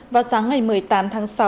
vào sáng ngày một mươi tám tháng sáu